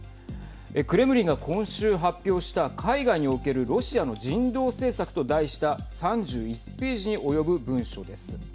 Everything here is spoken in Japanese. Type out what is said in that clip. クレムリンが今週発表した海外におけるロシアの人道政策と題した３１ページに及ぶ文書です。